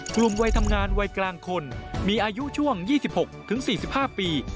วัยทำงานวัยกลางคนมีอายุช่วง๒๖๔๕ปี